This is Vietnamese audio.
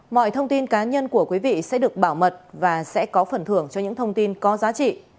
mọi thông tin cá nhân của quý vị sẽ được bảo mật và sẽ có phần thưởng cho những thông tin có giá trị